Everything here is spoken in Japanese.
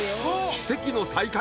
奇跡の再会？